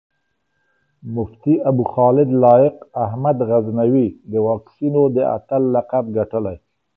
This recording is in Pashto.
مفتي ابوخالد لائق احمد غزنوي د واکسينو د اتَل لقب ګټلی